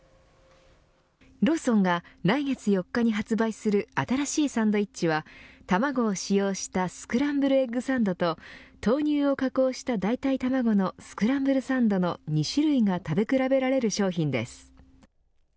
ローソンが来月４日に発売する新しいサンドイッチは卵を使用したスクランブルエッグサンドと豆乳を加工した代替卵のスクランブルサンドの２種類が食べ比べられる商品です。